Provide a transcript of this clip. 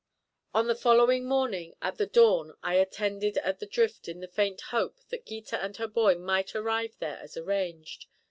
On the following morning at the dawn I attended at the drift in the faint hope that Gita and her boy might arrive there as arranged.